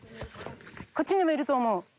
こっちにもいると思う。